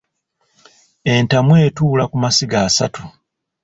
Entamu etuula ku masiga asatu.